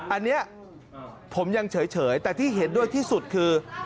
อันนี้ผมยังเฉยแต่ที่เห็นด้วยที่สุดคือ